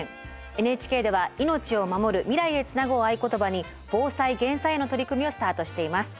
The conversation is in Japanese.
ＮＨＫでは「命をまもる未来へつなぐ」を合言葉に防災減災への取り組みをスタートしています。